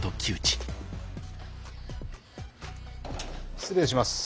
失礼します。